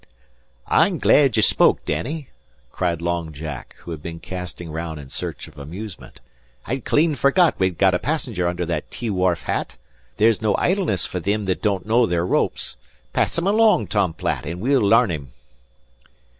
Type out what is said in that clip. "I'm glad ye spoke, Danny," cried Long Jack, who had been casting round in search of amusement. "I'd clean forgot we'd a passenger under that T wharf hat. There's no idleness for thim that don't know their ropes. Pass him along, Tom Platt, an' we'll larn him."